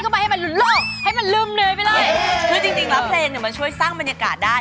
คือจริงแล้วเพลงมันช่วยสร้างบรรยากาศได้